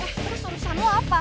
eh terus urusan lo apa